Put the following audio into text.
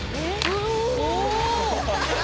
お！